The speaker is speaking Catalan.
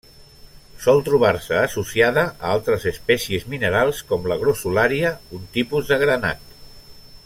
Sol trobar-se associada a altres espècies minerals com la grossulària, un tipus de granat.